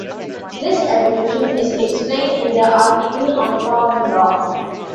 This evolution is explained in the article on common law.